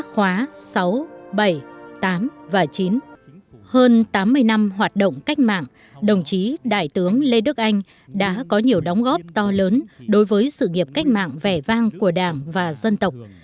hơn tám mươi năm hoạt động cách mạng đồng chí đại tướng lê đức anh đã có nhiều đóng góp to lớn đối với sự nghiệp cách mạng vẻ vang của đảng và dân tộc